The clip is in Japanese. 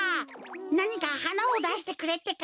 なにかはなをだしてくれってか。